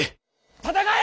戦え！